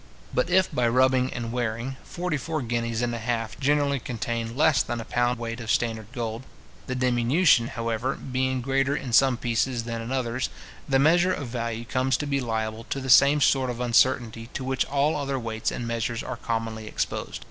But if, by rubbing and wearing, forty four guineas and a half generally contain less than a pound weight of standard gold, the diminution, however, being greater in some pieces than in others, the measure of value comes to be liable to the same sort of uncertainty to which all other weights and measures are commonly exposed.